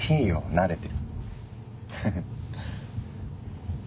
慣れてる。